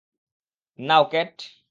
নাও, cat.